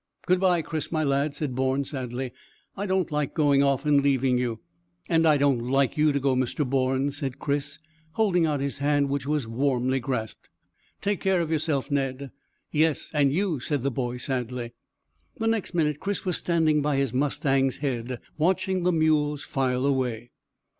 "Good bye, Chris, my lad," said Bourne sadly. "I don't like going off and leaving you." "And I don't like you to go, Mr Bourne," said Chris, holding out his hand, which was warmly grasped. "Take care of yourself, Ned." "Yes; and you," said the boy sadly. The next minute Chris was standing by his mustang's head, watching the mules file away.